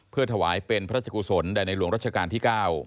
เพื่อถวายเป็นพระราชกุศลแด่ในหลวงรัชกาลที่๙